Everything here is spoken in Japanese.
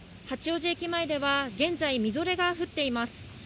八王子駅前では現在、みぞれが降っています。